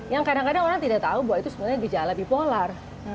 yang kadang kadang orang tidak tahu bahwa itu sebenarnya bijak lebih polar